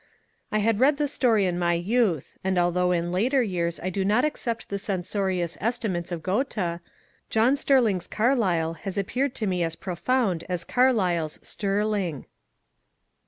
I had read the story in my youth, and although in later years I do not accept the censorious estimates of Goethe, John Sterling's Carlyle has appeared to me as profound as Carlyle's Sterling.